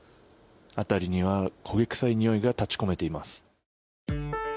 辺りには焦げ臭いにおいが立ち込めています。